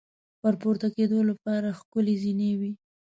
ور پورته کېدو لپاره ښکلې زینې وې.